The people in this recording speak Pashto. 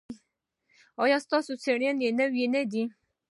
ایا ستاسو څیړنې نوې نه دي؟